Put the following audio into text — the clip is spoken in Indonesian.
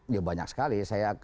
ya banyak sekali